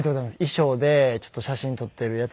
衣装でちょっと写真撮っているやつ。